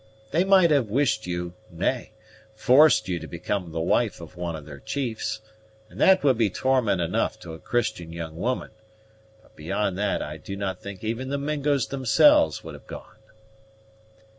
They might have wished you, nay, forced you to become the wife of one of their chiefs, and that would be torment enough to a Christian young woman; but beyond that I do not think even the Mingos themselves would have gone."